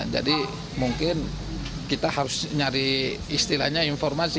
jadi mungkin kita harus nyari istilahnya informasi